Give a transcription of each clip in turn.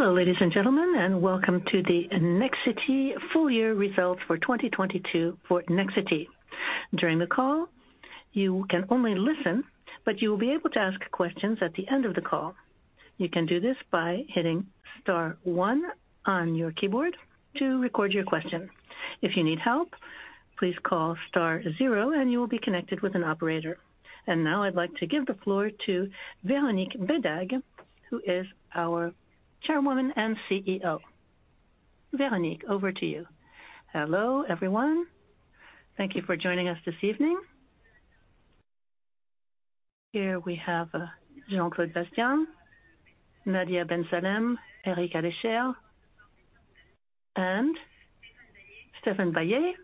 Hello, ladies and gentlemen, welcome to the Nexity full-year results for 2022 for Nexity. During the call, you can only listen, but you will be able to ask questions at the end of the call. You can do this by hitting star one on your keyboard to record your question. If you need help, please call star zero and you will be connected with an operator. Now I'd like to give the floor to Véronique Bédague, who is our Chairwoman and CEO. Véronique, over to you. Hello, everyone. Thank you for joining us this evening. Here we have Jean-Claude Bassien, Nadia Ben Salem, Eric Lalechère, and Stéphane Dalliet,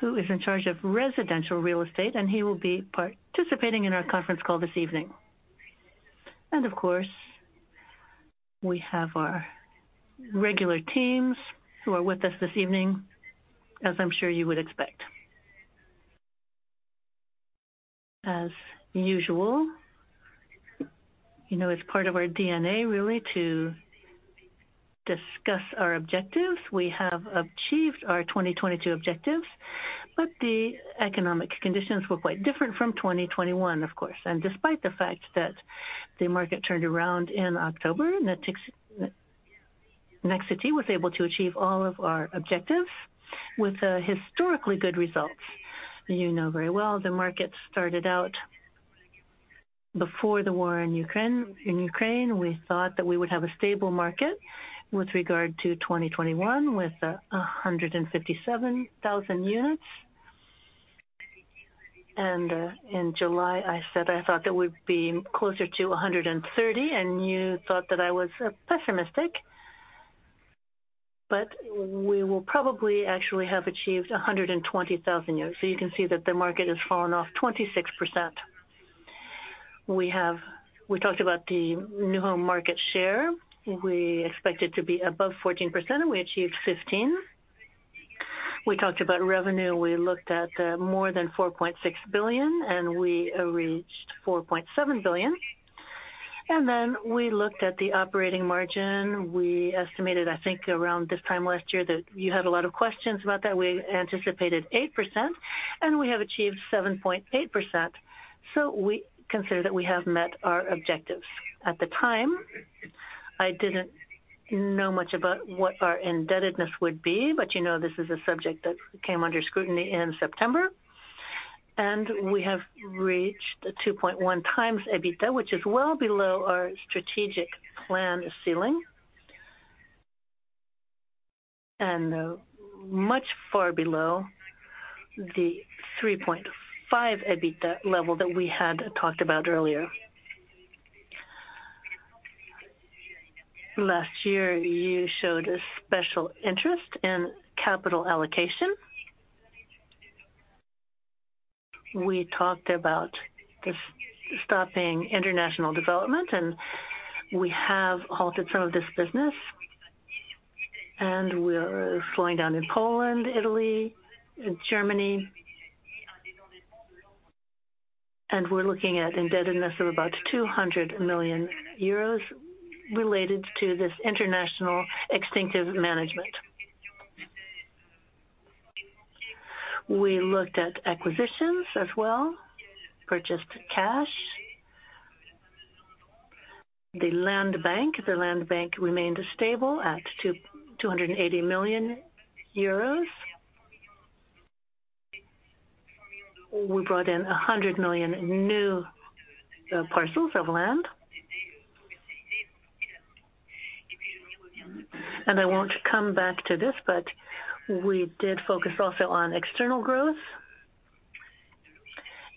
who is in charge of residential real estate, and he will be participating in our conference call this evening. Of course, we have our regular teams who are with us this evening, as I'm sure you would expect. As usual, you know, it's part of our DNA really to discuss our objectives. We have achieved our 2022 objectives, but the economic conditions were quite different from 2021, of course. Despite the fact that the market turned around in October, Nexity was able to achieve all of our objectives with historically good results. You know very well the market started out before the war in Ukraine. We thought that we would have a stable market with regard to 2021 with 157,000 units. In July, I said I thought that we'd be closer to 130,000, and you thought that I was pessimistic. We will probably actually have achieved 120,000 units. You can see that the market has fallen off 26%. We talked about the new home market share. We expect it to be above 14%, and we achieved 15%. We talked about revenue. We looked at more than 4.6 billion, and we reached 4.7 billion. We looked at the operating margin. We estimated, I think, around this time last year that you had a lot of questions about that. We anticipated 8%, and we have achieved 7.8%. We consider that we have met our objectives. At the time, I didn't know much about what our indebtedness would be, but you know this is a subject that came under scrutiny in September. We have reached a 2.1x EBITDA, which is well below our strategic plan ceiling. Much far below the 3.5x EBITDA level that we had talked about earlier. Last year, you showed a special interest in capital allocation. We talked about stopping international development, and we have halted some of this business. We are slowing down in Poland, Italy, and Germany. We're looking at indebtedness of about 200 million euros related to this international extinctive management. We looked at acquisitions as well, purchased cash. The land bank. The land bank remained stable at 280 million euros. We brought in 100 million new parcels of land. I won't come back to this, but we did focus also on external growth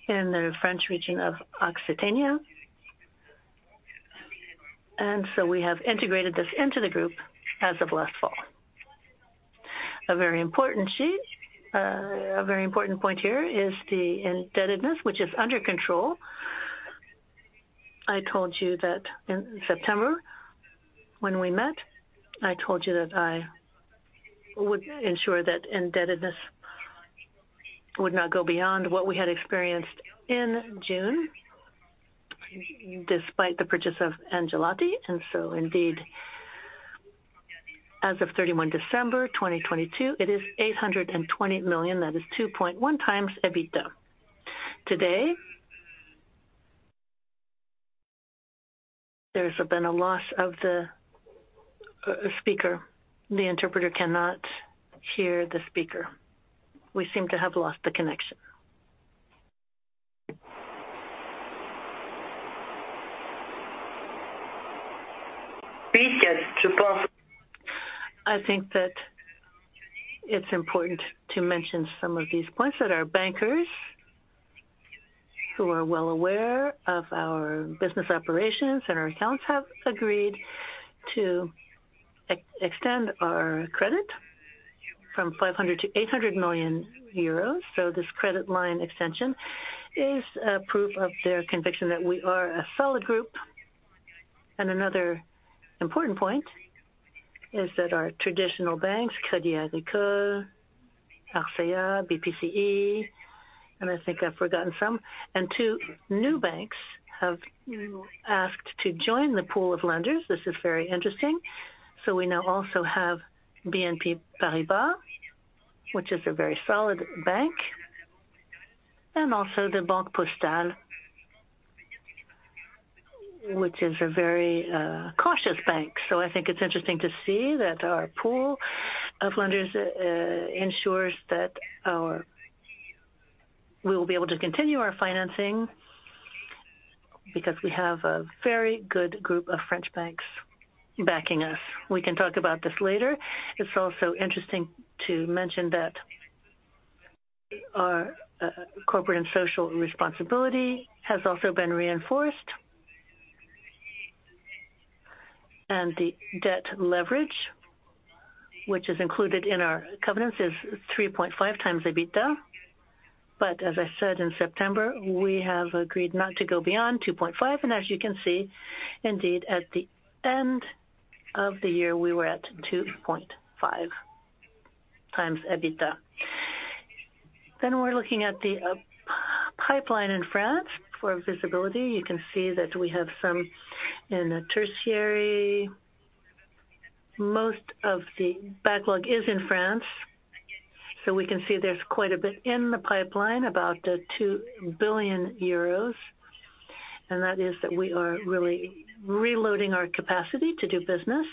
in the French region of Occitania. We have integrated this into the group as of last fall. A very important sheet. A very important point here is the indebtedness, which is under control. I told you that in September when we met, I told you that I would ensure that indebtedness would not go beyond what we had experienced in June, despite the purchase of Angelotti. Indeed, as of 31 December 2022, it is 820 million. That is 2.1x EBITDA. I think that it's important to mention some of these points that our bankers, who are well aware of our business operations and our accounts, have agreed to extend our credit from 500 million-800 million euros. This credit line extension is a proof of their conviction that we are a solid group. Another important point is that our traditional banks, Crédit Agricole, Arkéa, BPCE, I think I've forgotten some. Two new banks have asked to join the pool of lenders. This is very interesting. We now also have BNP Paribas, which is a very solid bank, and also the Banque Postale, which is a very cautious bank. I think it's interesting to see that our pool of lenders ensures that we will be able to continue our financing because we have a very good group of French banks backing us. We can talk about this later. It's also interesting to mention that our corporate and social responsibility has also been reinforced. The debt leverage, which is included in our covenants, is 3.5x EBITDA. As I said in September, we have agreed not to go beyond 2.5. As you can see, indeed, at the end of the year, we were at 2.5 times EBITDA. We're looking at the pipeline in France for visibility. You can see that we have some in the tertiary. Most of the backlog is in France. We can see there's quite a bit in the pipeline, about 2 billion euros. That is that we are really reloading our capacity to do business.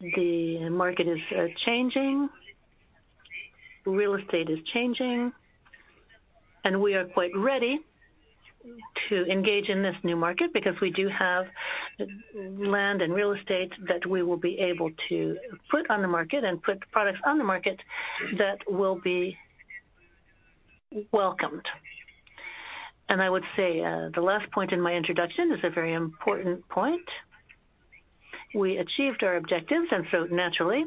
The market is changing, real estate is changing. We are quite ready to engage in this new market because we do have land and real estate that we will be able to put on the market and put products on the market that will be welcomed. I would say, the last point in my introduction is a very important point. We achieved our objectives, and so naturally,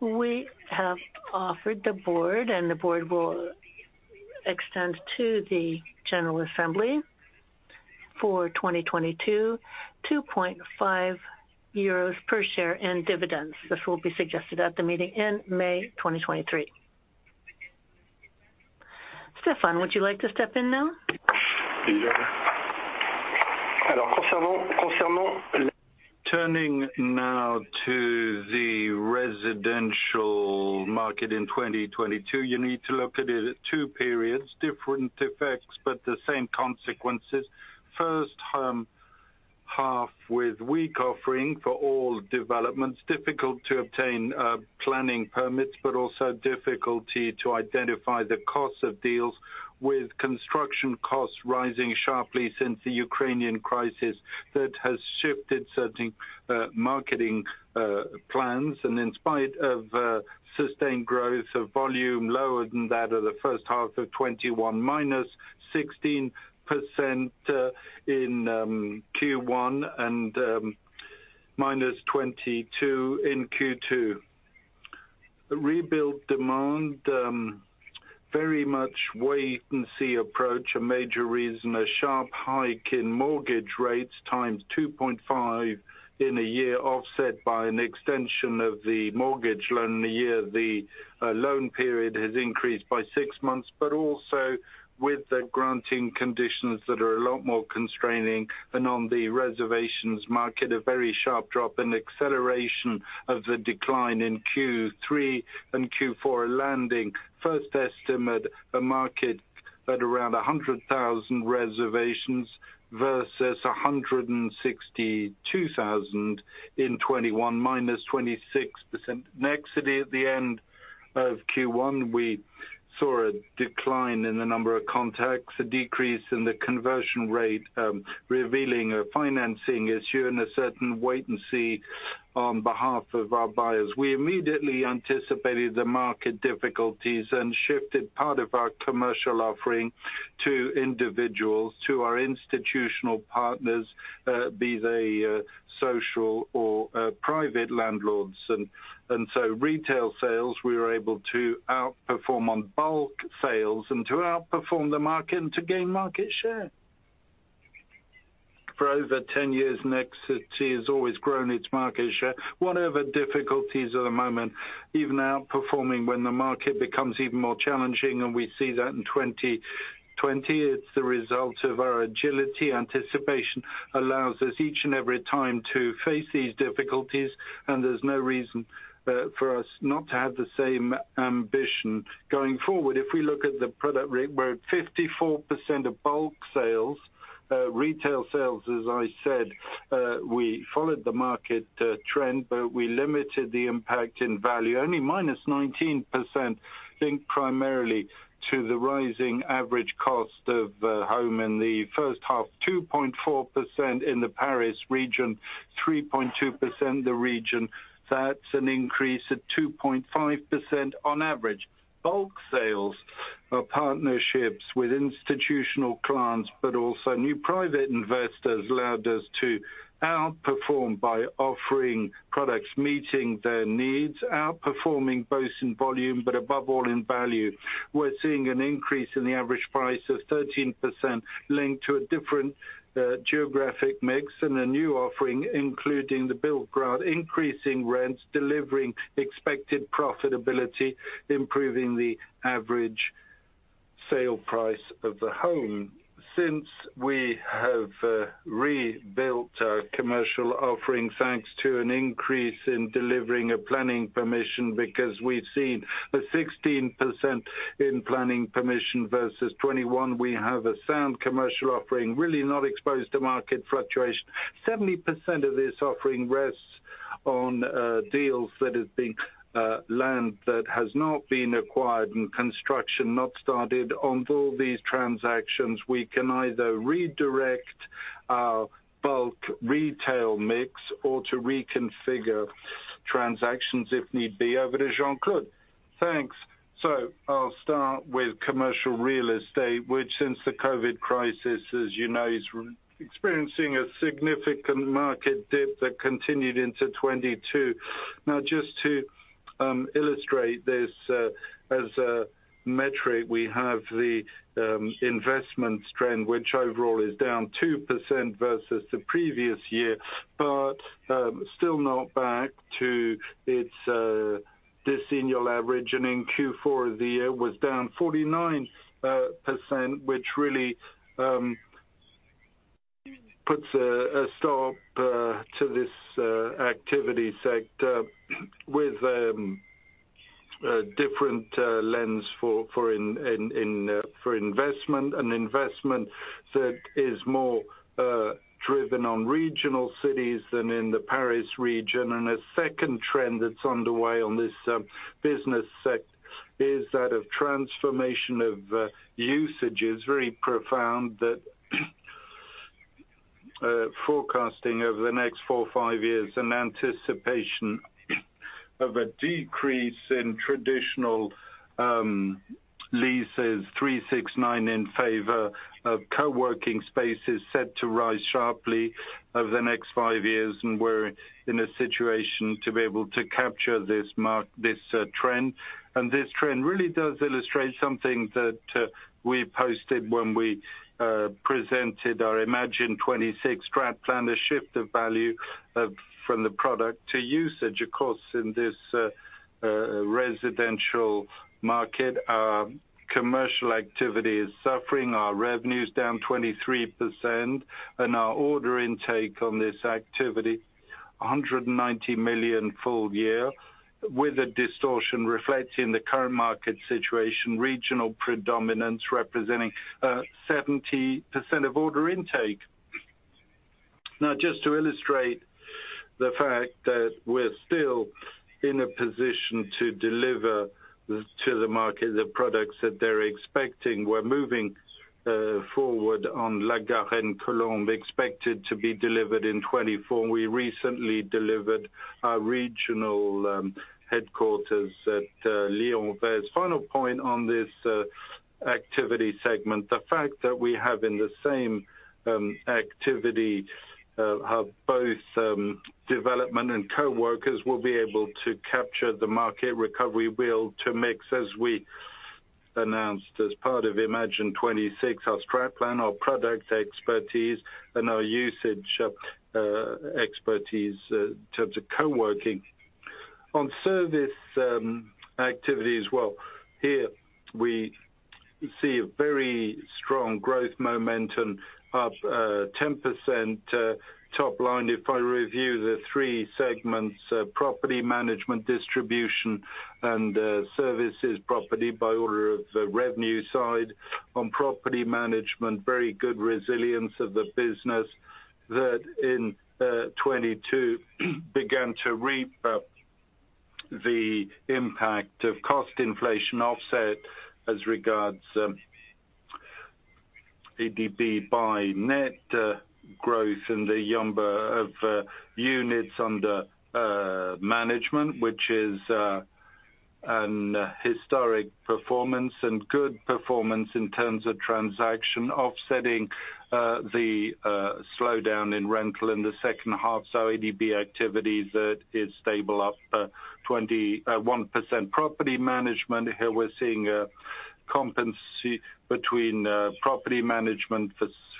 we have offered the board, and the board will extend to the general assembly for 2022, 2.5 euros per share in dividends. This will be suggested at the meeting in May 2023. Stéphane, would you like to step in now? Turning now to the residential market in 2022, you need to look at it at 2 periods, different effects, but the same consequences. First half, with weak offering for all developments, difficult to obtain planning permits, but also difficulty to identify the costs of deals with construction costs rising sharply since the Ukrainian crisis that has shifted certain marketing plans. In spite of sustained growth of volume lower than that of the first half of 2021, -16% in Q1 and -22% in Q2. Rebuild demand very much wait and see approach. A major reason, a sharp hike in mortgage rates times 2.5 in a year, offset by an extension of the mortgage loan. The year the loan period has increased by six months, but also with the granting conditions that are a lot more constraining than on the reservations market. A very sharp drop in acceleration of the decline in Q3 and Q4 landing. First estimate, a market at around 100,000 reservations versus 162,000 in 2021, -26%. Nexity, at the end of Q1, we saw a decline in the number of contacts, a decrease in the conversion rate, revealing a financing issue and a certain wait and see on behalf of our buyers. We immediately anticipated the market difficulties and shifted part of our commercial offering to individuals, to our institutional partners, be they social or private landlords. Retail sales, we were able to outperform on bulk sales and to outperform the market and to gain market share. For over 10 years, Nexity has always grown its market share. Whatever difficulties at the moment, even outperforming when the market becomes even more challenging, and we see that in 2020, it's the result of our agility. Anticipation allows us each and every time to face these difficulties, and there's no reason for us not to have the same ambition going forward. If we look at the product rate, we're at 54% of bulk sales. Retail sales, as I said, we followed the market trend. We limited the impact in value, only -19%, linked primarily to the rising average cost of home in the first half, 2.4% in the Paris region, 3.2% the region. That's an increase of 2.5% on average. Bulk sales. Our partnerships with institutional clients, also new private investors, allowed us to outperform by offering products, meeting their needs, outperforming both in volume above all in value. We're seeing an increase in the average price of 13% linked to a different geographic mix and a new offering, including the Build-to-Rent, increasing rents, delivering expected profitability, improving the average sale price of the home. Since we have rebuilt our commercial offering, thanks to an increase in delivering a planning permission, because we've seen a 16% in planning permission versus 2021, we have a sound commercial offering, really not exposed to market fluctuation. 70% of this offering rests on deals that have been learned, that has not been acquired and construction not started. On all these transactions, we can either redirect our bulk retail mix or to reconfigure transactions if need be. Over to Jean-Claude. Thanks. I'll start with commercial real estate, which since the COVID crisis, as you know, is experiencing a significant market dip that continued into 2022. Just to illustrate this as a metric, we have the investment trend, which overall is down 2% versus the previous year, still not back to its decennial average. In Q4 of the year was down 49%, which really puts a stop to this activity sector with a different lens for investment. An investment that is more driven on regional cities than in the Paris region. A second trend that's underway on this business sec is that of transformation of usage is very profound that forecasting over the next 4 or 5 years an anticipation of a decrease in traditional leases, 3-6-9, in favor of coworking spaces set to rise sharply over the next 5 years. We're in a situation to be able to capture this trend. This trend really does illustrate something that we posted when we presented our Imagine 2026 strategic plan, a shift of value from the product to usage. Of course, in this residential market, our commercial activity is suffering. Our revenue is down 23% and our order intake on this activity, 190 million full year, with a distortion reflecting the current market situation, regional predominance representing 70% of order intake. Just to illustrate the fact that we're still in a position to deliver to the market, the products that they're expecting. We're moving forward on La Garenne-Colombes, expected to be delivered in 2024. We recently delivered our regional headquarters at Lyon Vaise. Final point on this activity segment. The fact that we have in the same activity, have both development and coworkers will be able to capture the market recovery build to mix as we announced as part of Imagine 2026, our strat plan, our product expertise and our usage expertise in terms of coworking. On service activity as well. Here we see a very strong growth momentum up 10% top line. If I review the three segments, property management, distribution and services property by order of the revenue side. On property management, very good resilience of the business that in 2022 began to reap the impact of cost inflation offset as regards ADB by net growth in the number of units under management. Which is an historic performance and good performance in terms of transaction offsetting the slowdown in rental in the second half. ADB activities that is stable up 21% property management. Here we're seeing a competency between property management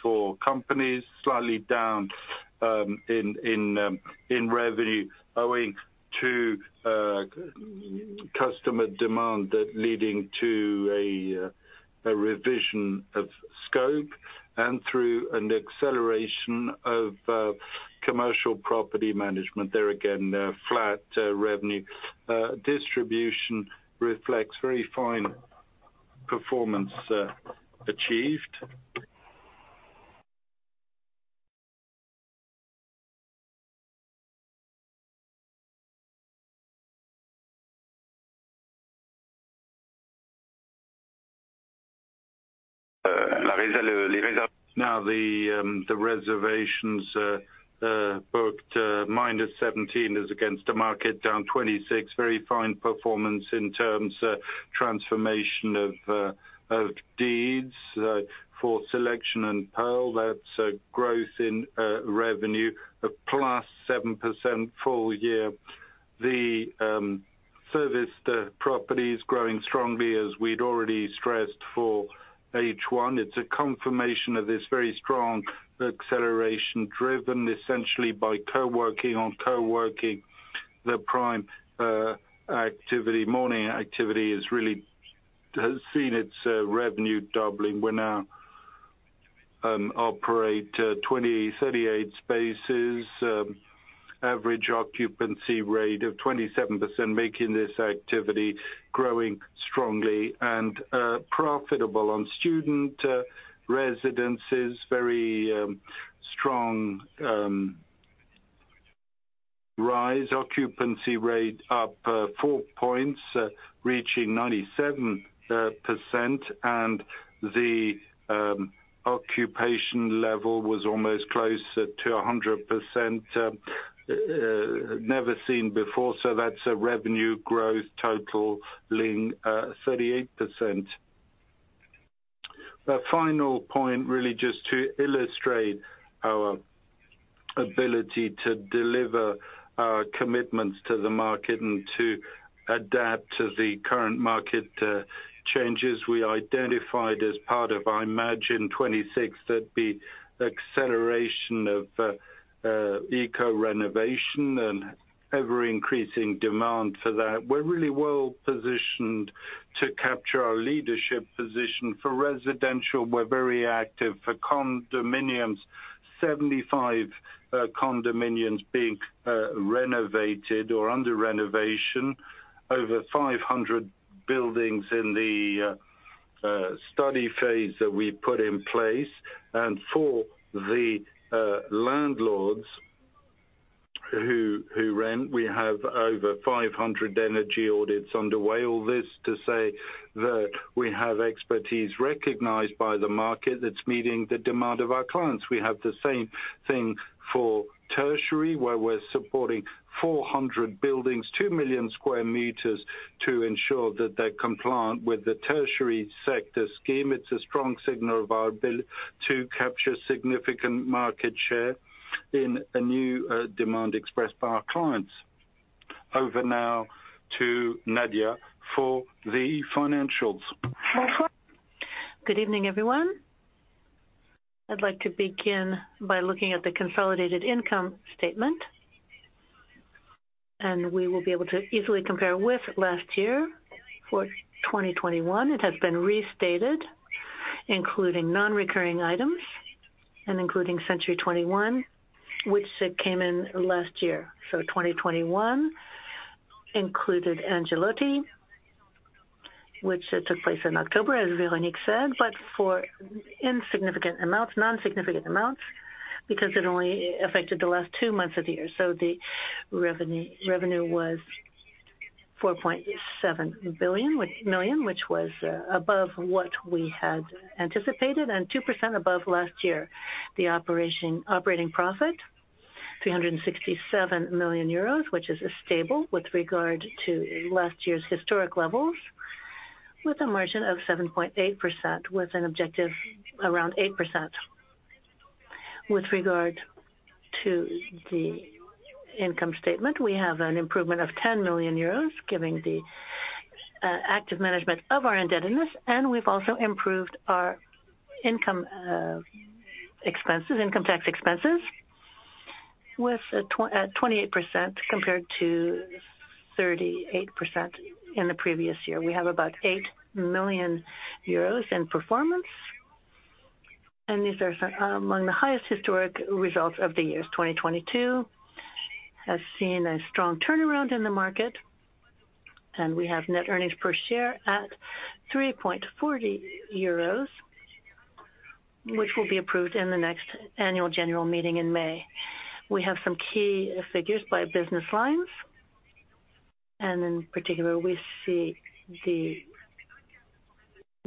for companies slightly down in revenue owing to customer demand that leading to a revision of scope and through an acceleration of commercial property management. There again, a flat revenue. Distribution reflects very fine performance achieved. Now the reservations booked, -17% as against the market, down 26%. Very fine performance in terms of transformation of deeds for Selection and PERL. That's a growth in revenue of +7% full year. The serviced properties growing strongly, as we'd already stressed for H1. It's a confirmation of this very strong acceleration, driven essentially by coworking. On coworking, the prime activity, Morning activity has really seen its revenue doubling. We now operate 38 spaces, average occupancy rate of 27%, making this activity growing strongly and profitable. On student residences, very strong rise. Occupancy rate up 4 points, reaching 97%. The occupation level was almost close to 100%, never seen before, so that's a revenue growth totaling 38%. The final point really just to illustrate our ability to deliver our commitments to the market and to adapt to the current market changes. We identified as part of Imagine 2026 that the acceleration of eco-renovation and ever-increasing demand for that. We're really well-positioned to capture our leadership position. For residential, we're very active. For condominiums, 75 condominiums being renovated or under renovation. Over 500 buildings in the study phase that we put in place. For the landlords who rent, we have over 500 energy audits underway. All this to say that we have expertise recognized by the market that's meeting the demand of our clients. We have the same thing for tertiary, where we're supporting 400 buildings, 2 million square meters, to ensure that they're compliant with the Tertiary Sector Scheme. It's a strong signal of our ability to capture significant market share in a new demand expressed by our clients. Over now to Nadia for the financials. Good evening, everyone. I'd like to begin by looking at the consolidated income statement. We will be able to easily compare with last year. For 2021, it has been restated, including non-recurring items and including Century 21, which came in last year. 2021 included Angelotti, which took place in October, as Veronique said. For insignificant amounts, non-significant amounts, because it only affected the last two months of the year. The revenue was 4.7 million, which was above what we had anticipated and 2% above last year. The operating profit, 367 million euros, which is stable with regard to last year's historic levels, with a margin of 7.8%, with an objective around 8%. With regard to the income statement, we have an improvement of 10 million euros, giving the active management of our indebtedness. We've also improved our income expenses, income tax expenses with 28% compared to 38% in the previous year. We have about 8 million euros in performance. These are among the highest historic results of the years. 2022 has seen a strong turnaround in the market, and we have net earnings per share at 3.40 euros, which will be approved in the next annual general meeting in May. We have some key figures by business lines. In particular, we see the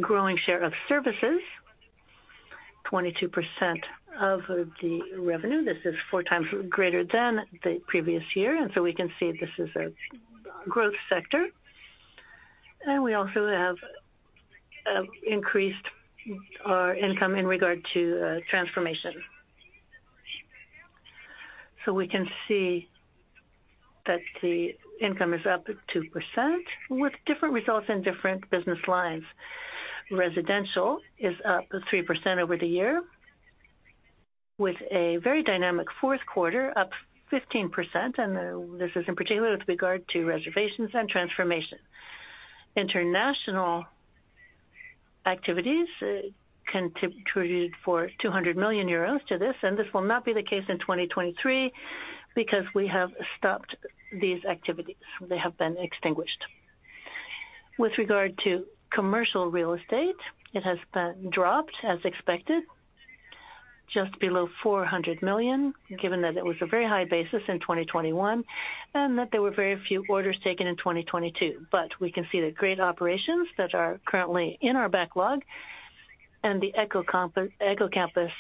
growing share of services, 22% of the revenue. This is four times greater than the previous year. We can see this is a growth sector. We also have increased our income in regard to transformation. We can see that the income is up 2% with different results in different business lines. Residential is up 3% over the year, with a very dynamic fourth quarter up 15%. This is in particular with regard to reservations and transformation. International activities contributed for 200 million euros to this, and this will not be the case in 2023 because we have stopped these activities. They have been extinguished. With regard to commercial real estate, it has been dropped as expected. Just below 400 million, given that it was a very high basis in 2021 and that there were very few orders taken in 2022. We can see the great operations that are currently in our backlog and the Eco-campus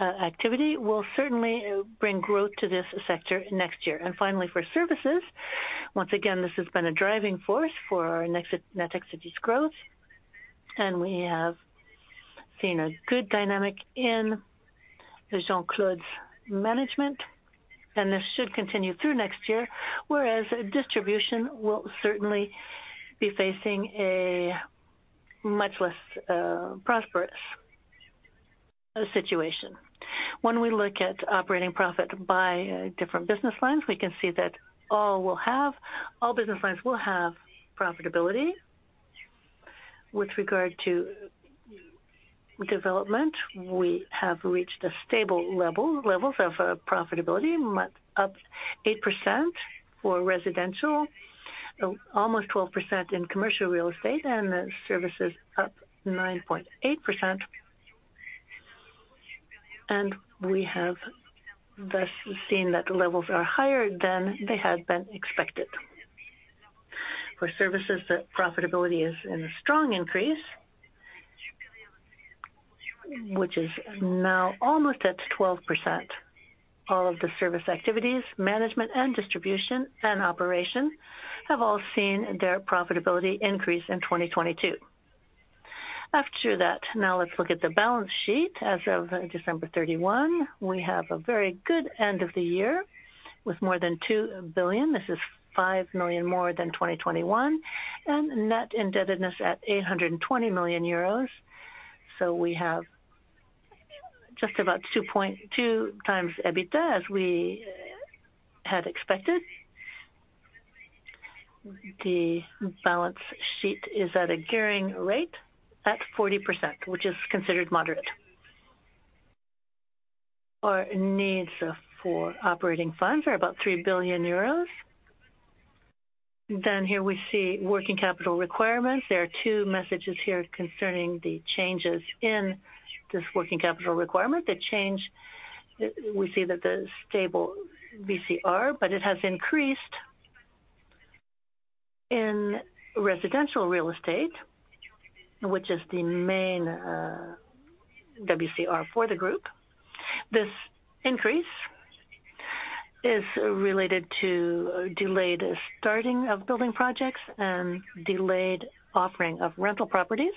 activity will certainly bring growth to this sector next year. Finally, for services, once again, this has been a driving force for our Natixis' growth, and we have seen a good dynamic in Jean-Claude's management, and this should continue through next year, whereas distribution will certainly be facing a much less prosperous situation. When we look at operating profit by different business lines, we can see that all business lines will have profitability. With regard to development, we have reached a stable level, levels of profitability, up 8% for residential, almost 12% in commercial real estate, and services up 9.8%. We have thus seen that the levels are higher than they had been expected. For services, the profitability is in strong increase, which is now almost at 12%. All of the service activities, management and distribution and operation, have all seen their profitability increase in 2022. Let's look at the balance sheet. As of December 31, we have a very good end of the year with more than 2 billion. This is 5 million more than 2021. Net indebtedness at 820 million euros. We have just about 2 times EBITDA as we had expected. The balance sheet is at a gearing rate at 40%, which is considered moderate. Our needs for operating funds are about 3 billion euros. Here we see working capital requirements. There are two messages here concerning the changes in this working capital requirement. We see that the stable WCR, but it has increased in residential real estate, which is the main WCR for the group. This increase is related to delayed starting of building projects and delayed offering of rental properties.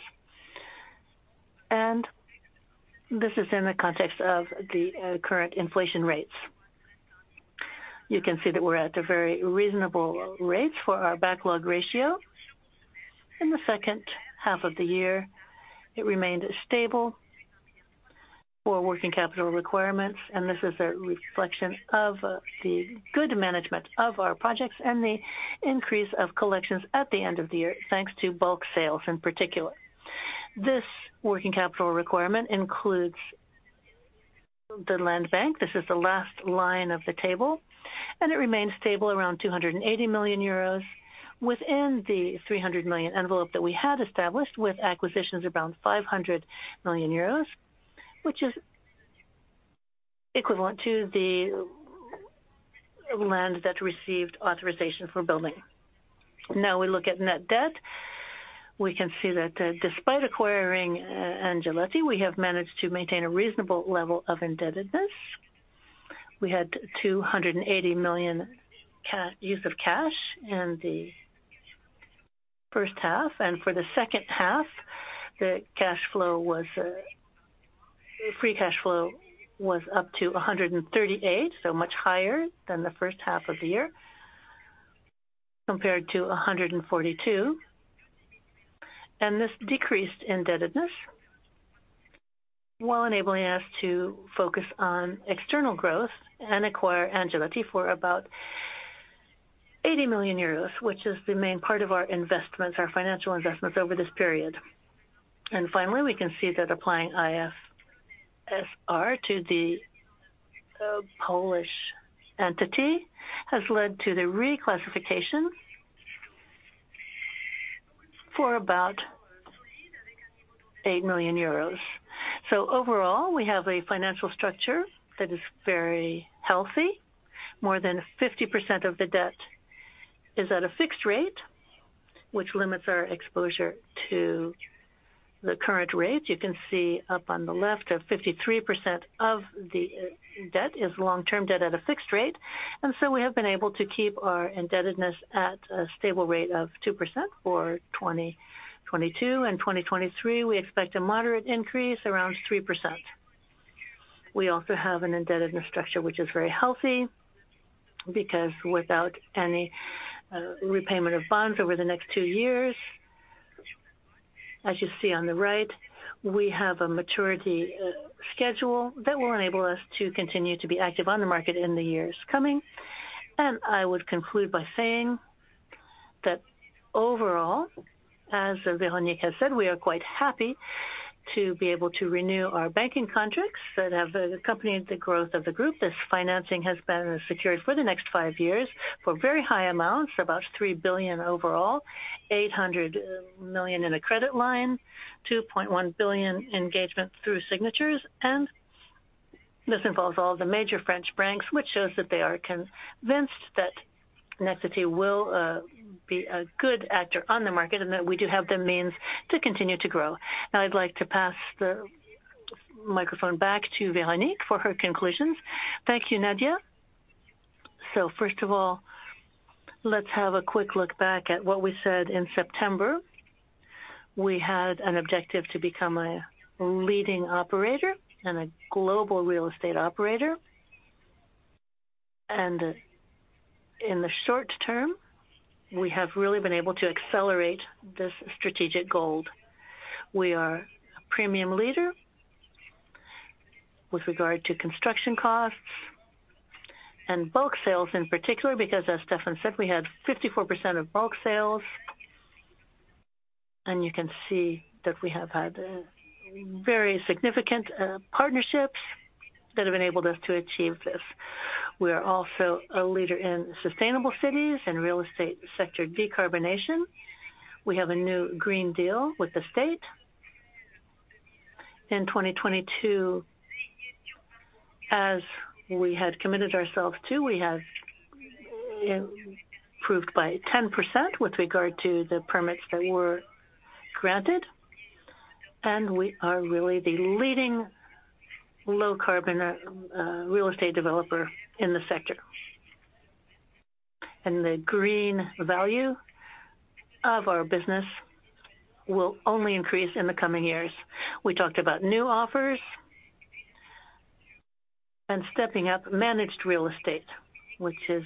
This is in the context of the current inflation rates. You can see that we're at a very reasonable rate for our backlog ratio. In the second half of the year, it remained stable for working capital requirements. This is a reflection of the good management of our projects and the increase of collections at the end of the year, thanks to bulk sales in particular. This working capital requirement includes the land bank. This is the last line of the table. It remains stable around 280 million euros within the 300 million envelope that we had established with acquisitions around 500 million euros, which is equivalent to the land that received authorization for building. Now we look at net debt. We can see that despite acquiring Angelotti, we have managed to maintain a reasonable level of indebtedness. We had 280 million use of cash in the first half. For the second half, the free cash flow was up to 138, so much higher than the first half of the year compared to 142. This decreased indebtedness while enabling us to focus on external growth and acquire Angelotti for about 80 million euros, which is the main part of our investments, our financial investments over this period. Finally, we can see that applying IFRS to the Polish entity has led to the reclassification for about 8 million euros. Overall, we have a financial structure that is very healthy. More than 50% of the debt is at a fixed rate, which limits our exposure to the current rate. You can see up on the left of 53% of the debt is long-term debt at a fixed rate. We have been able to keep our indebtedness at a stable rate of 2% for 2022. In 2023, we expect a moderate increase around 3%. We also have an indebtedness structure which is very healthy because without any repayment of bonds over the next 2 years. As you see on the right, we have a maturity schedule that will enable us to continue to be active on the market in the years coming. I would conclude by saying that overall, as Véronique has said, we are quite happy to be able to renew our banking contracts that have accompanied the growth of the group. This financing has been secured for the next 5 years for very high amounts, about 3 billion overall, 800 million in a credit line, 2.1 billion engagement through signatures. This involves all the major French banks, which shows that they are convinced that Nexity will be a good actor on the market, and that we do have the means to continue to grow. I'd like to pass the microphone back to Véronique for her conclusions. Thank you, Nadia. First of all, let's have a quick look back at what we said in September. We had an objective to become a leading operator and a global real estate operator. In the short term, we have really been able to accelerate this strategic goal. We are a premium leader with regard to construction costs and bulk sales in particular, because as Stéphane said, we had 54% of bulk sales. You can see that we have had very significant partnerships that have enabled us to achieve this. We are also a leader in sustainable cities and real estate sector decarbonation. We have a new Green Deal with the state. In 2022, as we had committed ourselves to, we have improved by 10% with regard to the permits that were granted. We are really the leading low-carbon real estate developer in the sector. The green value of our business will only increase in the coming years. We talked about new offers and stepping up managed real estate, which is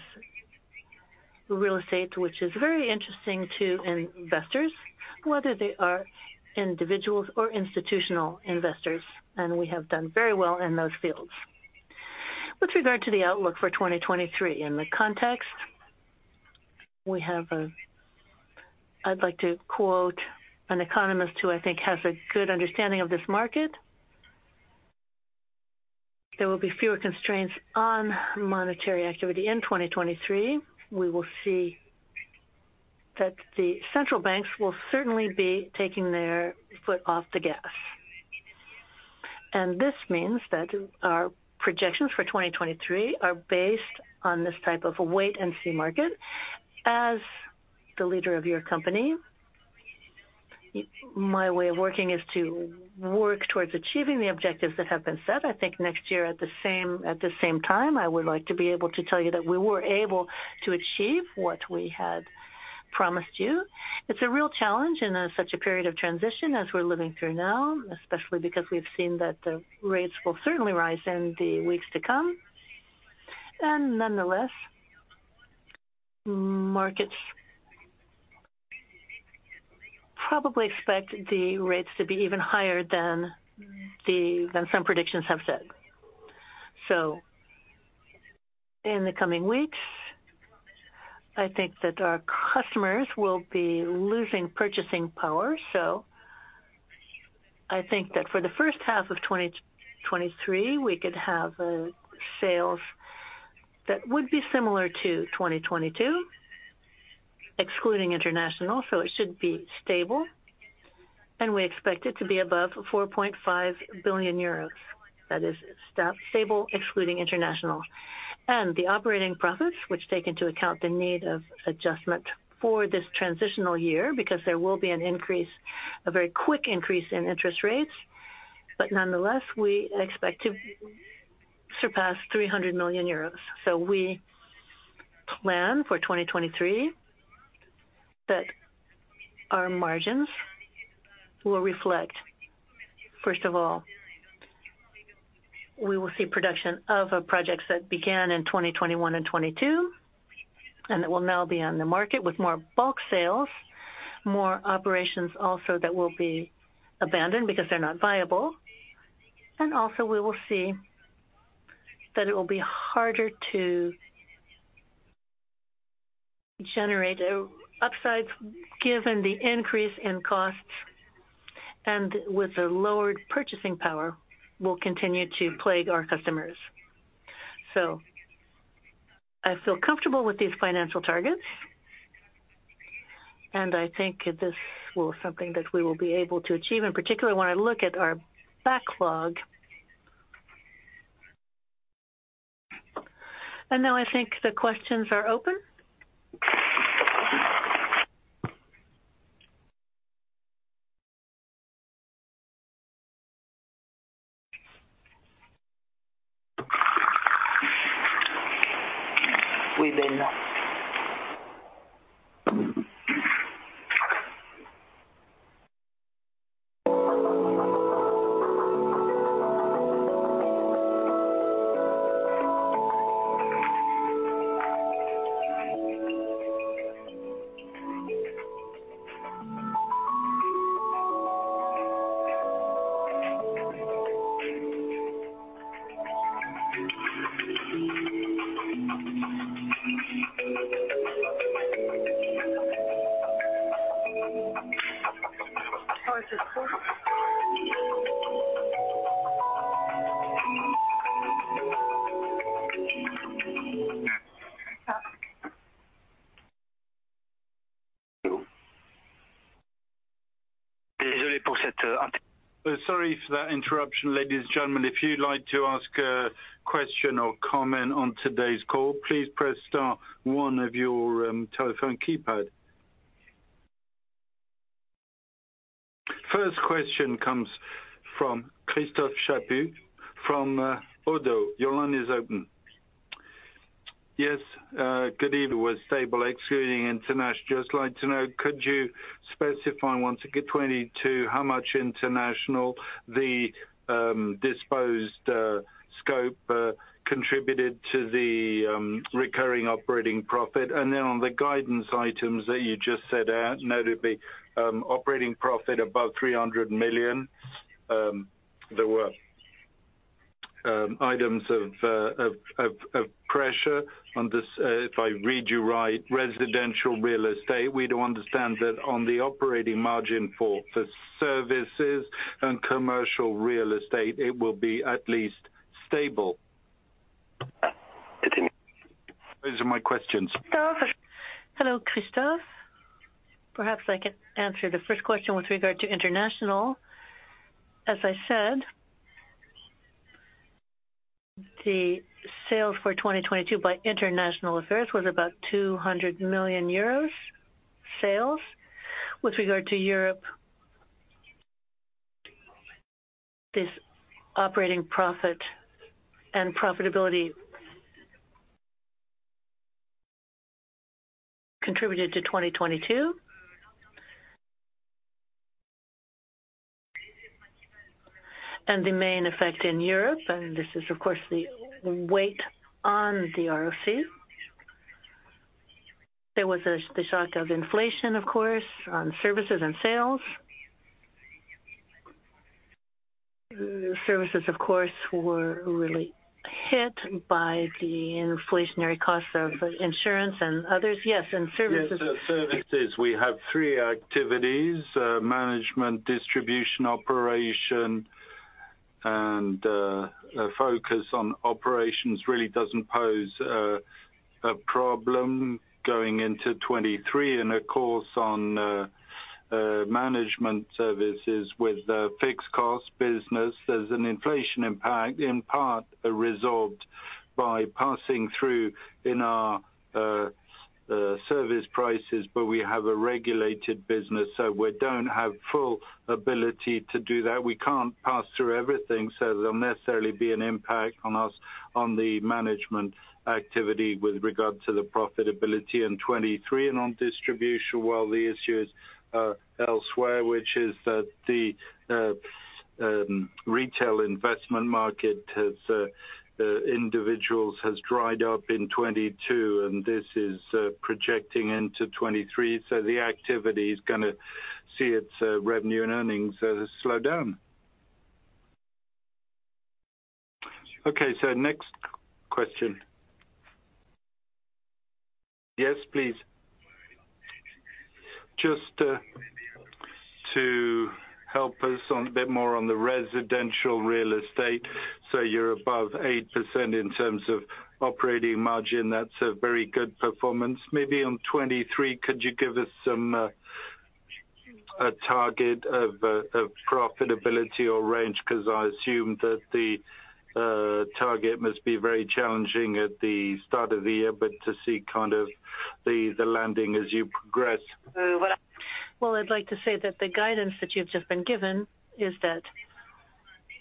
very interesting to investors, whether they are individuals or institutional investors, and we have done very well in those fields. With regard to the outlook for 2023, in the context, we have, I'd like to quote an economist who I think has a good understanding of this market. "There will be fewer constraints on monetary activity in 2023. We will see that the central banks will certainly be taking their foot off the gas. This means that our projections for 2023 are based on this type of wait-and-see market. As the leader of your company, my way of working is to work towards achieving the objectives that have been set. I think next year at the same time, I would like to be able to tell you that we were able to achieve what we had promised you. It's a real challenge in such a period of transition as we're living through now, especially because we've seen that the rates will certainly rise in the weeks to come. Nonetheless, markets probably expect the rates to be even higher than some predictions have said. In the coming weeks, I think that our customers will be losing purchasing power. I think that for the first half of 2023, we could have sales that would be similar to 2022, excluding international, so it should be stable, and we expect it to be above 4.5 billion euros. That is stable, excluding international. The operating profits, which take into account the need of adjustment for this transitional year because there will be an increase, a very quick increase in interest rates. Nonetheless, we expect to surpass 300 million euros. We plan for 2023 that our margins will reflect. First of all, we will see production of projects that began in 2021 and 2022, and that will now be on the market with more bulk sales, more operations also that will be abandoned because they're not viable. Also, we will see that it will be harder to generate upsides given the increase in costs and with the lowered purchasing power will continue to plague our customers. I feel comfortable with these financial targets, and I think this will something that we will be able to achieve, and particularly when I look at our backlog. Now I think the questions are open. Sorry for that interruption, ladies and gentlemen. If you'd like to ask a question or comment on today's call, please press star one of your telephone keypad. First question comes from Christophe Chaput from Oddo. Your line is open. Good evening. With stable excluding international, just like to know, could you specify once again 2022 how much international the disposed scope contributed to the recurring operating profit? On the guidance items that you just set out, notably, operating profit above 300 million, there were items of pressure on this. If I read you right, residential real estate, we do understand that on the operating margin for the services and commercial real estate, it will be at least stable. Those are my questions. Hello, Christophe. Perhaps I can answer the first question with regard to international. As I said, the sales for 2022 by international affairs was about 200 million euros sales. With regard to Europe, this operating profit and profitability contributed to 2022. The main effect in Europe, and this is of course the weight on the ROC. There was the shock of inflation, of course, on services and sales. Services, of course, were really hit by the inflationary costs of insurance and others. Yes, and services- Yes. Services, we have three activities, management, distribution, operation and a focus on operations really doesn't pose a problem going into 2023. Of course, on management services with the fixed cost business, there's an inflation impact, in part resolved by passing through in our service prices, but we have a regulated business, so we don't have full ability to do that. We can't pass through everything, so there'll necessarily be an impact on us on the management activity with regard to the profitability in 2023 and on distribution, while the issue is elsewhere, which is that the retail investment market has individuals has dried up in 2022, and this is projecting into 2023. The activity is gonna see its revenue and earnings slow down. Okay, next question. Yes, please. Just to help us on a bit more on the residential real estate. You're above 8% in terms of operating margin. That's a very good performance. Maybe on 2023, could you give us some a target of profitability or range? 'Cause I assume that the target must be very challenging at the start of the year. To see kind of the landing as you progress. Well, I'd like to say that the guidance that you've just been given is that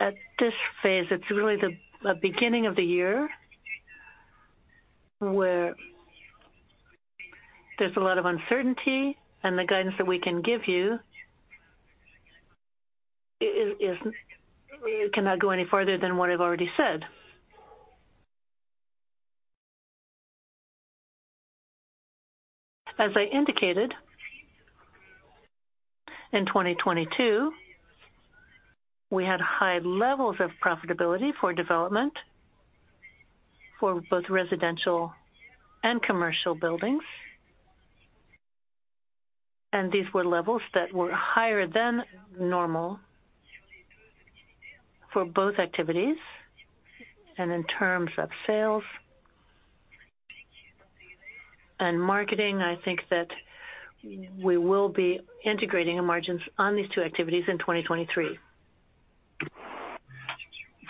at this phase, it's really the beginning of the year, where there's a lot of uncertainty and the guidance that we can give you is cannot go any further than what I've already said. As I indicated, in 2022, we had high levels of profitability for development for both residential and commercial buildings. These were levels that were higher than normal for both activities. In terms of sales and marketing, I think that we will be integrating the margins on these two activities in 2023.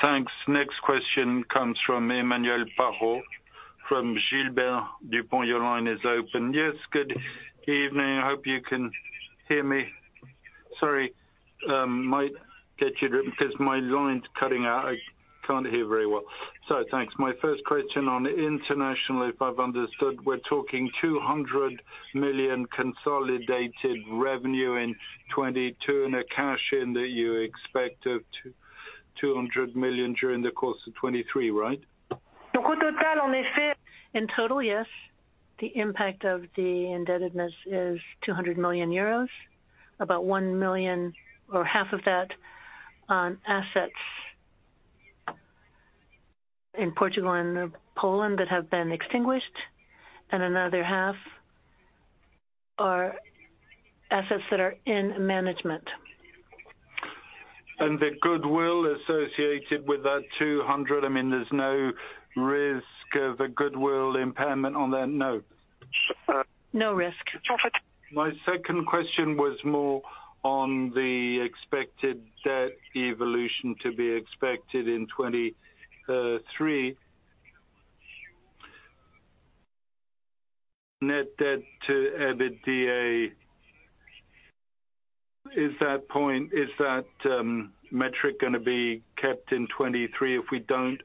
Thanks. Next question comes from Emmanuel Parrot from Gilbert Dupont, your line is open. Yes. Good evening. I hope you can hear me. Sorry, 'cause my line's cutting out, I can't hear very well. Thanks. My first question on internationally, if I've understood, we're talking 200 million consolidated revenue in 2022 and a cash in that you expect of 200 million during the course of 2023, right? In total, yes. The impact of the indebtedness is 200 million euros, about 1 million or half of that on assets in Portugal and Poland that have been extinguished and another half are assets that are in management. The goodwill associated with that 200, I mean, there's no risk of a goodwill impairment on that, no? No risk. My second question was more on the expected debt evolution to be expected in 2023. Net debt to EBITDA. Is that metric gonna be kept in 2023 if we don't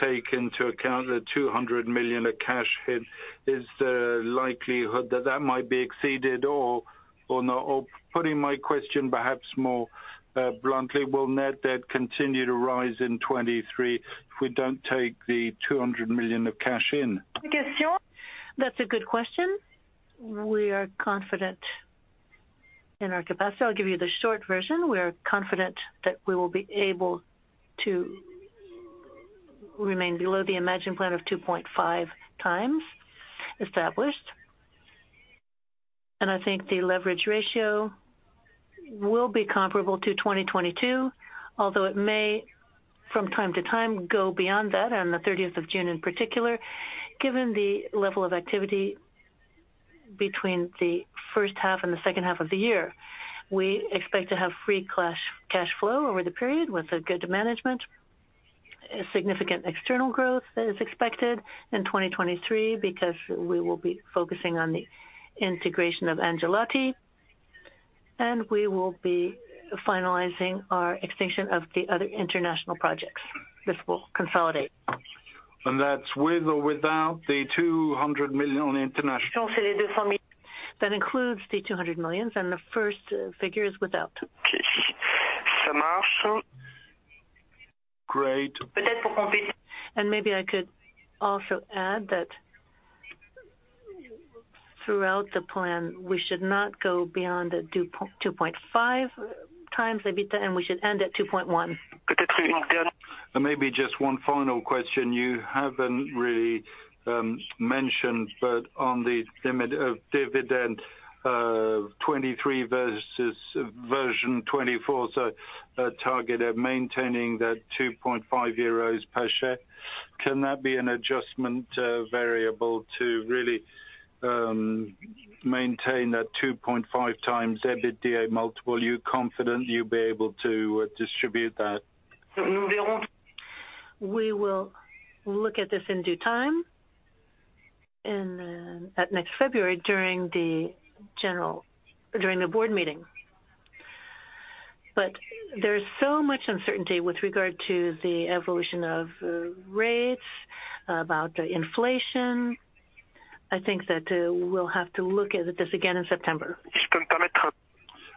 take into account the 200 million of cash hit? Is the likelihood that that might be exceeded or not? Or putting my question perhaps more bluntly, will net debt continue to rise in 2023 if we don't take the 200 million of cash in? That's a good question. We are confident in our capacity. I'll give you the short version. We are confident that we will be able to remain below the Imagine 2026 plan of 2.5 times established. I think the leverage ratio will be comparable to 2022, although it may from time to time go beyond that on the 30th of June in particular, given the level of activity between the first half and the second half of the year. We expect to have free cash flow over the period with a good management, a significant external growth that is expected in 2023 because we will be focusing on the integration of Angelotti, and we will be finalizing our extinction of the other international projects. This will consolidate. That's with or without the 200 million on international. That includes the 200 million, the first figure is without. Okay. Great. Maybe I could also add that throughout the plan, we should not go beyond 2.5x EBITDA, and we should end at 2.1. Maybe just one final question. You haven't really mentioned, but on the limit of dividend, 2023 versus version 2024, so a target of maintaining that 2.5 euros per share. Can that be an adjustment variable to really maintain that 2.5x EBITDA multiple? You confident you'll be able to distribute that? We will look at this in due time and then at next February during the board meeting. There is so much uncertainty with regard to the evolution of rates, about inflation. I think that we'll have to look at this again in September.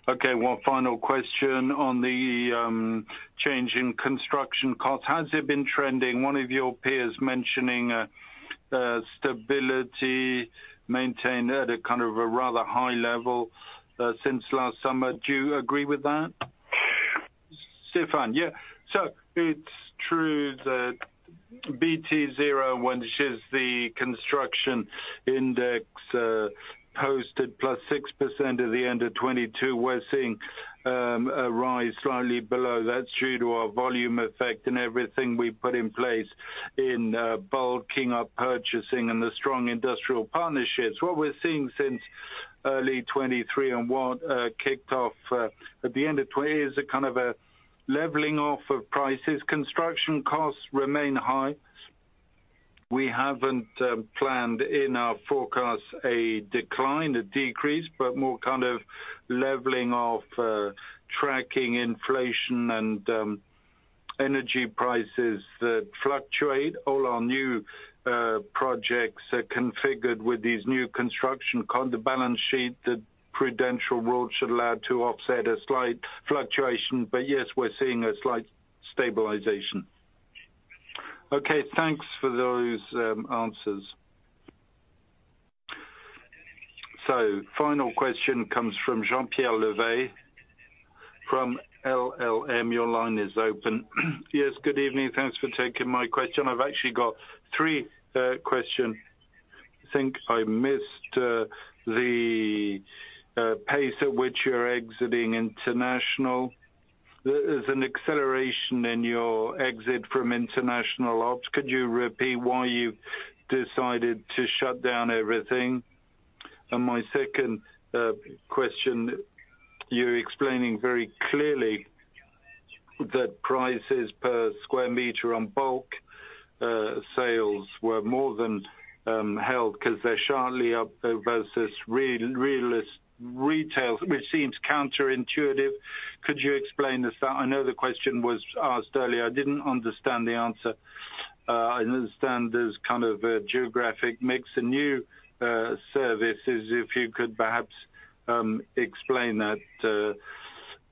Okay, one final question on the change in construction cost. How has it been trending? One of your peers mentioning stability maintained at a kind of a rather high level since last summer. Do you agree with that, Stéphane? Yeah. It's true that BT01, which is the construction index, posted +6% at the end of 2022. We're seeing a rise slightly below. That's due to our volume effect and everything we put in place in bulking up purchasing and the strong industrial partnerships. What we're seeing since early 2023 and what kicked off at the end of 2020s is a kind of a leveling off of prices. Construction costs remain high. We haven't planned in our forecast a decline, a decrease, but more kind of leveling off, tracking inflation and energy prices that fluctuate. All our new projects are configured with these new construction. On the balance sheet, the Prudential rule should allow to offset a slight fluctuation. Yes, we're seeing a slight stabilization. Okay, thanks for those answers. Final question comes from Jean-Pierre Levaye from LLM. Your line is open. Good evening. Thanks for taking my question. I've actually got three question. I think I missed the pace at which you're exiting international. There's an acceleration in your exit from international ops. Could you repeat why you decided to shut down everything? My second question, you're explaining very clearly that prices per square meter on bulk sales were more than held 'cause they're sharply up versus retail, which seems counterintuitive. Could you explain this? I know the question was asked earlier. I didn't understand the answer. I understand there's kind of a geographic mix, a new services. If you could perhaps explain that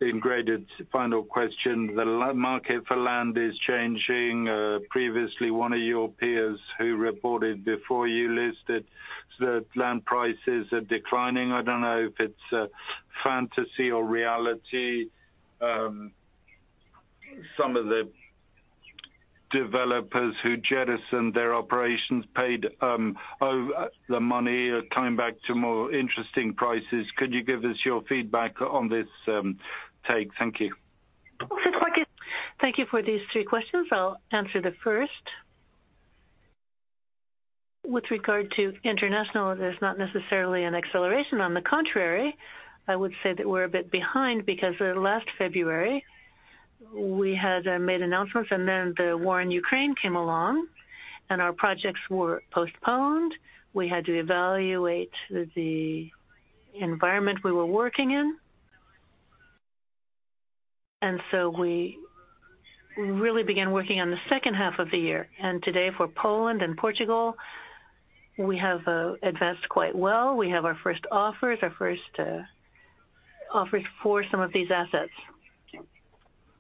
in greater. Final question, the land market for land is changing. Previously, one of your peers who reported before you listed that land prices are declining. I don't know if it's fantasy or reality. Some of the developers who jettisoned their operations paid the money are coming back to more interesting prices. Could you give us your feedback on this take? Thank you. Thank you for these three questions. I'll answer the first. With regard to international, there's not necessarily an acceleration. On the contrary, I would say that we're a bit behind because last February, we had made announcements and then the war in Ukraine came along, and our projects were postponed. We had to evaluate the environment we were working in. We really began working on the second half of the year. Today, for Poland and Portugal, we have advanced quite well. We have our first offers for some of these assets.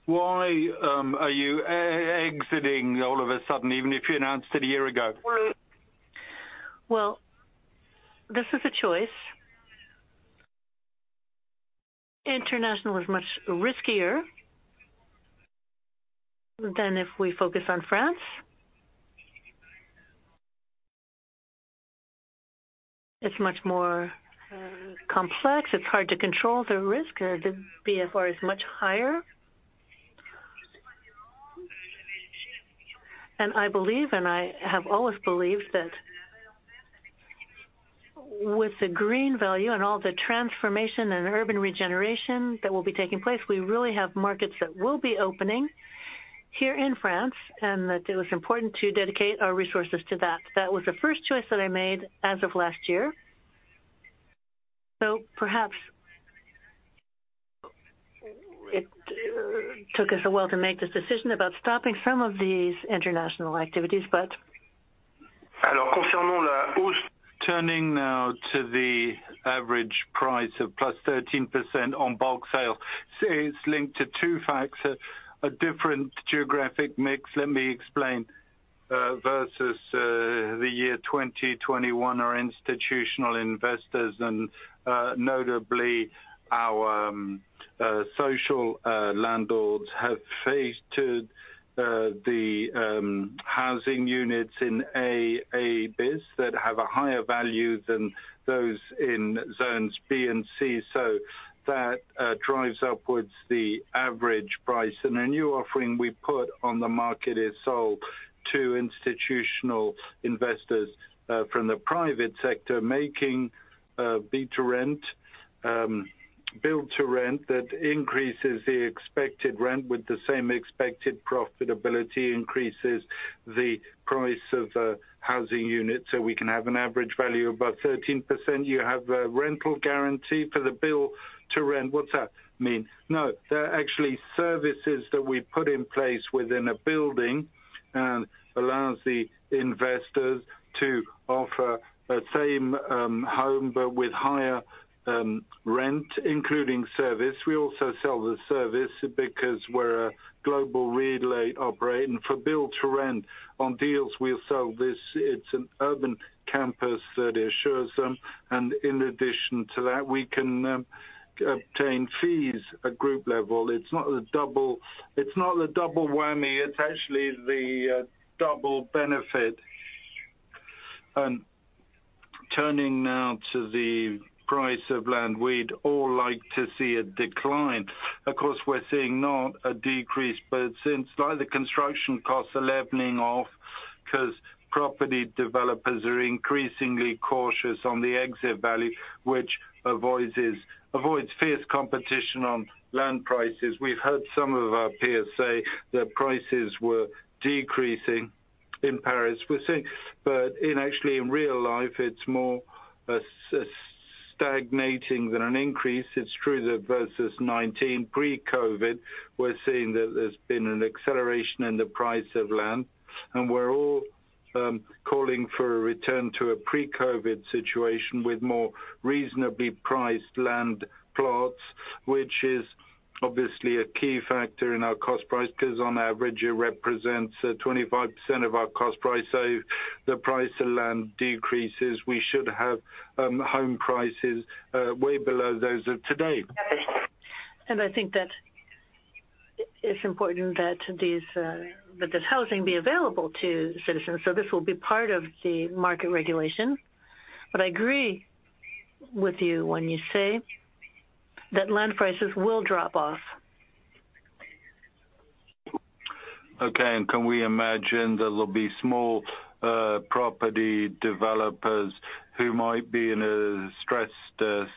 Why, are you exiting all of a sudden, even if you announced it a year ago? Well, this is a choice. International is much riskier than if we focus on France. It's much more complex. It's hard to control the risk. The BFR is much higher. I believe, and I have always believed, that with the green value and all the transformation and urban regeneration that will be taking place, we really have markets that will be opening here in France, and that it was important to dedicate our resources to that. That was the first choice that I made as of last year. Perhaps it took us a while to make this decision about stopping some of these international activities, but... Turning now to the average price of +13% on bulk sale, it's linked to two facts, a different geographic mix, let me explain, versus the year 2021 are institutional investors and notably our social landlords have faced the housing units in A bis that have a higher value than those in Zones B and C. That drives upwards the average price. A new offering we put on the market is sold to institutional investors from the private sector, making B to Rent, Build to Rent that increases the expected rent with the same expected profitability, increases the price of the housing unit. We can have an average value of about 13%. You have a rental guarantee for the Build to Rent. What does that mean? No. They're actually services that we put in place within a building and allows the investors to offer the same home but with higher rent, including service. We also sell the service because we're a global relay operator. For Build to Rent on deals, we'll sell this. It's an Urban Campus that assures them. In addition to that, we can obtain fees at group level. It's not the double whammy, it's actually the double benefit. Turning now to the price of land, we'd all like to see a decline. Of course, we're seeing not a decrease, but since slightly construction costs are leveling off because property developers are increasingly cautious on the exit value, which avoids this, avoids fierce competition on land prices. We've heard some of our peers say that prices were decreasing in Paris. We're seeing actually, in real life, it's more a stagnating than an increase. It's true that versus 19, pre-COVID, we're seeing that there's been an acceleration in the price of land. We're all calling for a return to a pre-COVID situation with more reasonably priced land plots, which is obviously a key factor in our cost price, 'cause on average, it represents 25% of our cost price. If the price of land decreases, we should have home prices way below those of today. I think that it's important that these, that this housing be available to citizens. This will be part of the market regulation. I agree with you when you say that land prices will drop off. Okay. Can we imagine there will be small property developers who might be in a stressed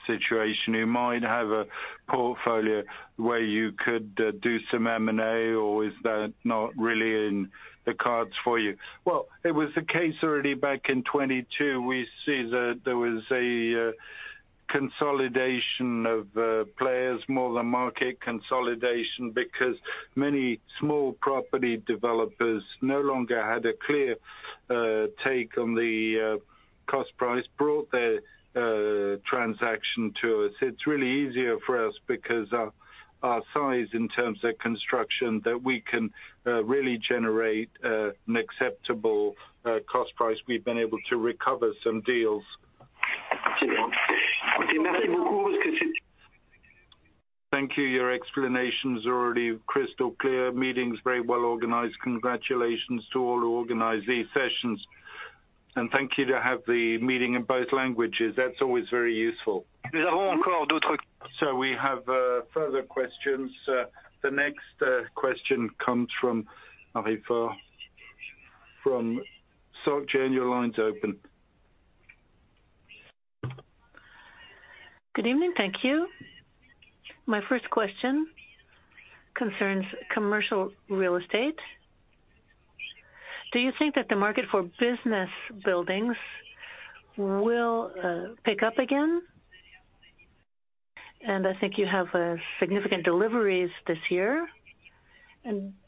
situation, who might have a portfolio where you could do some M&A, or is that not really in the cards for you? Well, it was the case already back in 22. We see that there was a consolidation of players, more the market consolidation because many small property developers no longer had a clear take on the cost price, brought their transaction to us. It's really easier for us because our size in terms of construction that we can really generate an acceptable cost price. We've been able to recover some deals. Thank you. Your explanation's already crystal clear. Meeting's very well-organized. Congratulations to all who organized these sessions. Thank you to have the meeting in both languages. That's always very useful. We have further questions. The next question comes from Marie-Line Fort from SocGen. Your line's open. Good evening. Thank you. My first question concerns commercial real estate. Do you think that the market for business buildings will pick up again? I think you have significant deliveries this year.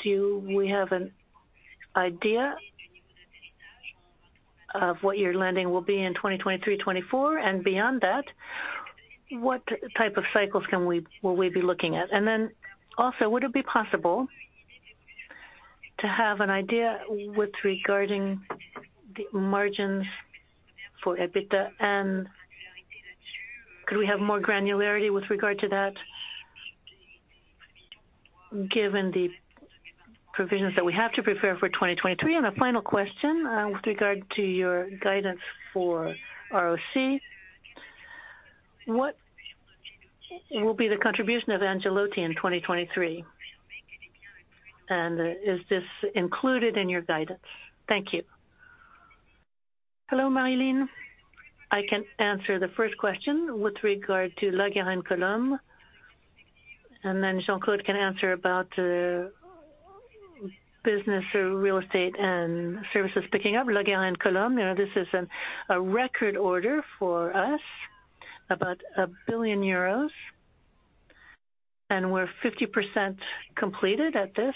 Do we have an idea of what your lending will be in 2023, 2024? Beyond that, what type of cycles will we be looking at? Would it be possible to have an idea with regarding the margins for EBITDA? Could we have more granularity with regard to that, given the provisions that we have to prepare for 2023? A final question with regard to your guidance for ROC. What will be the contribution of Angelotti in 2023? Is this included in your guidance? Thank you. Hello, Marie-Line. I can answer the first question with regard to La Garenne-Colombes. Jean-Claude can answer about business real estate and services picking up. La Garenne-Colombes, you know, this is an, a record order for us, about 1 billion euros, and we're 50% completed at this.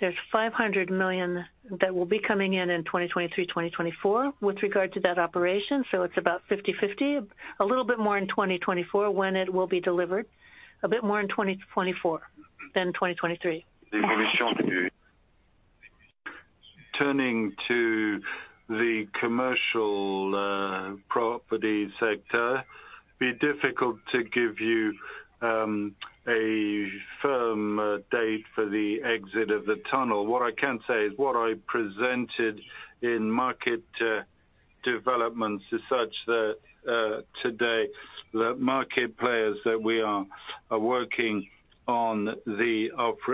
There's 500 million that will be coming in 2023, 2024 with regard to that operation, so it's about 50/50. A little bit more in 2024 when it will be delivered. A bit more in 2024 than 2023. Turning to the commercial property sector, it'd be difficult to give you a firm date for the exit of the tunnel. What I can say is what I presented in market developments is such that today, the market players that we are working on the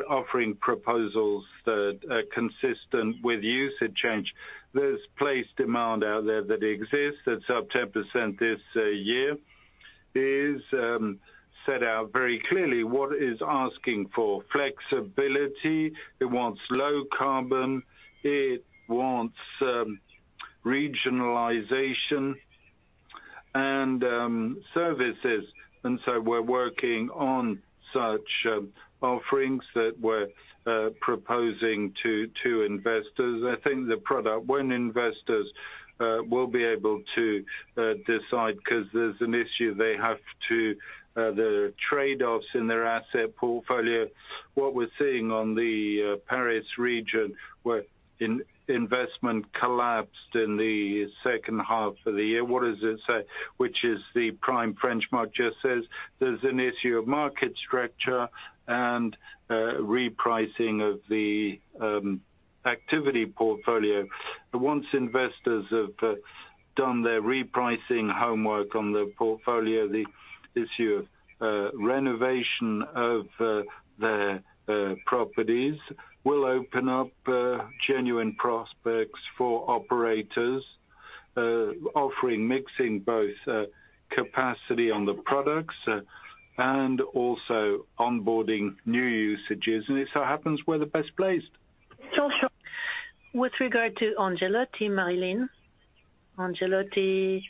offering proposals that are consistent with usage change. There's place demand out there that exists. It's up 10% this year. It is set out very clearly what is asking for flexibility. It wants low-carbon, it wants regionalization and services. We're working on such offerings that we're proposing to investors. I think the product, when investors will be able to decide, because there's an issue they have to the trade-offs in their asset portfolio. What we're seeing on the Paris region, where in-investment collapsed in the second half of the year. What does it say? Which is the prime French market just says there's an issue of market structure and repricing of the activity portfolio. Once investors have done their repricing homework on the portfolio, the issue of renovation of their properties will open up genuine prospects for operators offering, mixing both capacity on the products and also onboarding new usages. It so happens we're the best placed. With regard to Angelotti, Marie-Line. Angelotti,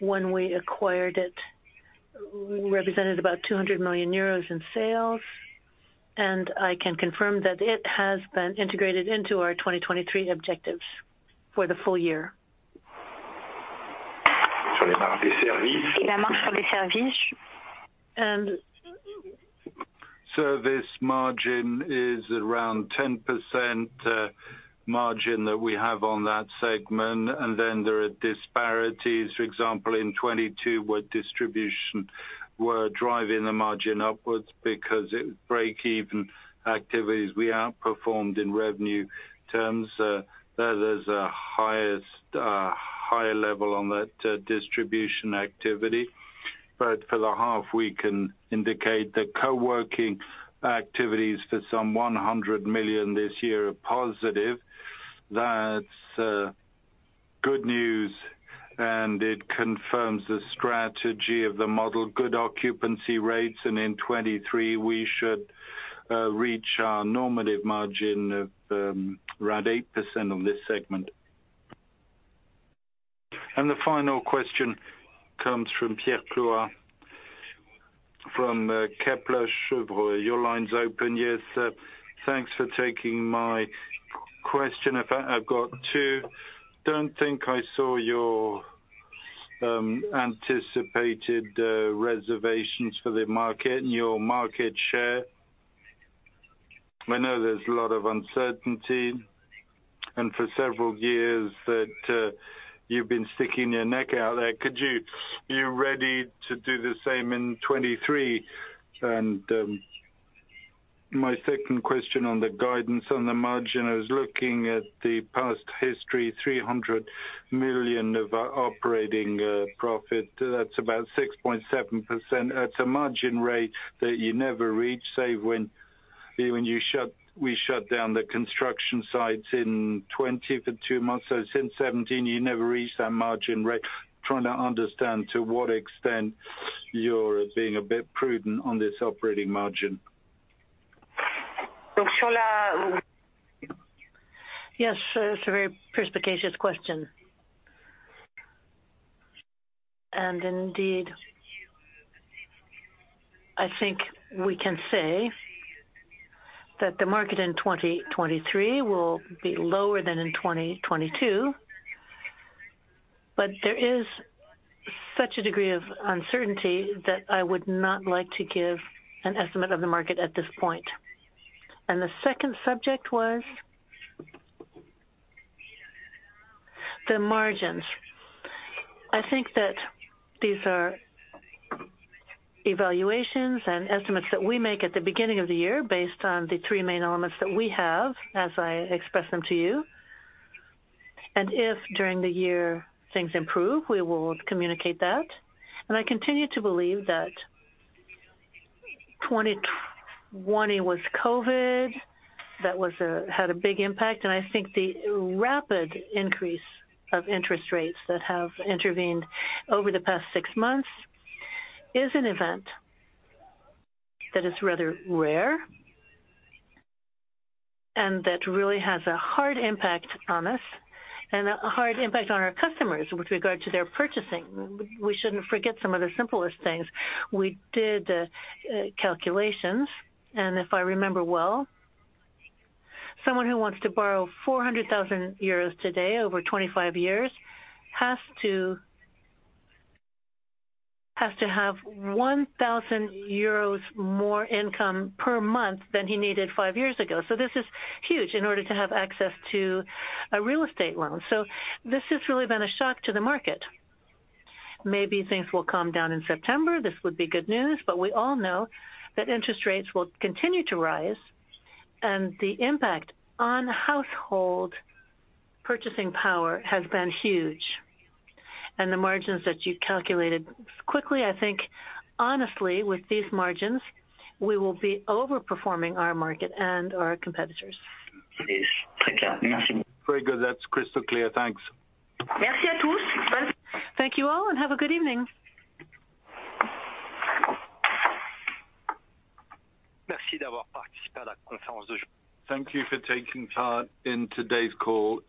when we acquired it, represented about 200 million euros in sales, and I can confirm that it has been integrated into our 2023 objectives for the full year. Service margin is around 10%, margin that we have on that segment, and then there are disparities. For example, in 2022, where distribution were driving the margin upwards because it was break-even activities we outperformed in revenue terms. There's a higher level on that distribution activity. For the half, we can indicate that coworking activities for some 100 million this year are positive. That's good news, and it confirms the strategy of the model, good occupancy rates. In 2023, we should reach our normative margin of around 8% on this segment. The final question comes from Pierre Clouard from Kepler Cheuvreux. Your line's open. Yes, thanks for taking my question. In fact, I've got two. Don't think I saw your anticipated reservations for the market and your market share. I know there's a lot of uncertainty, and for several years that you've been sticking your neck out there. You're ready to do the same in 23? My second question on the guidance on the margin, I was looking at the past history, 300 million of operating profit. That's about 6.7%. That's a margin rate that you never reached, say, when we shut down the construction sites in 2020 for 2 months. Since 2017, you never reached that margin rate. Trying to understand to what extent you're being a bit prudent on this operating margin. Yes, it's a very perspicacious question. Indeed, I think we can say that the market in 2023 will be lower than in 2022. There is such a degree of uncertainty that I would not like to give an estimate of the market at this point. The second subject was? The margins. I think that these are evaluations and estimates that we make at the beginning of the year based on the three main elements that we have, as I expressed them to you. If during the year things improve, we will communicate that. I continue to believe that 2020 was COVID. That had a big impact. I think the rapid increase of interest rates that have intervened over the past 6 months is an event that is rather rare and that really has a hard impact on us and a hard impact on our customers with regard to their purchasing. We shouldn't forget some of the simplest things. We did calculations. If I remember well, someone who wants to borrow 400,000 euros today over 25 years has to have 1,000 euros more income per month than he needed 5 years ago. This is huge in order to have access to a real estate loan. This has really been a shock to the market. Maybe things will calm down in September. This would be good news, but we all know that interest rates will continue to rise, and the impact on household purchasing power has been huge. The margins that you calculated quickly, I think, honestly, with these margins, we will be overperforming our market and our competitors. Yes. Thank you. Very good. That's crystal clear. Thanks. Thank you all, and have a good evening. Thank you for taking part in today's call.